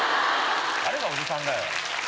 誰がおじさんだよ！